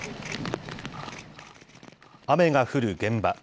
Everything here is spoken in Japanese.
雨が降る現場。